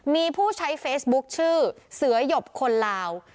มีผู้ใช้เฟซบุ๊คชื่อเสือหยบคนลาว